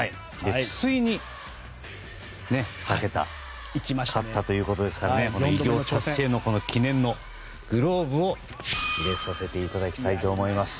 ついにね２桁勝ったということですから偉業達成の記念のグローブも入れさせていただきたいと思います。